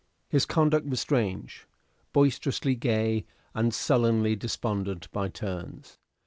His conduct was strange; boisterously gay and sullenly despondent by turns.